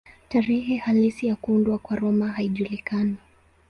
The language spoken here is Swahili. Tarehe halisi ya kuundwa kwa Roma haijulikani.